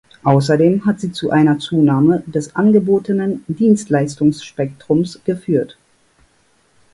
Außerdem hat sie zu einer Zunahme des angebotenen Dienstleistungsspektrums geführt.